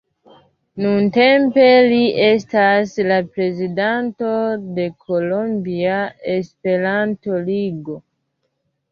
Nuntempe li estas la prezidanto de Kolombia Esperanto-Ligo.